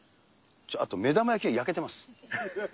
あと、目玉焼きが焼けてます。